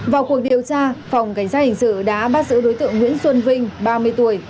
vào cuộc điều tra phòng cảnh sát hình sự đã bắt giữ đối tượng nguyễn xuân vinh ba mươi tuổi